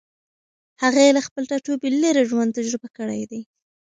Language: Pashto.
هغې له خپل ټاټوبي لېرې ژوند تجربه کړی دی.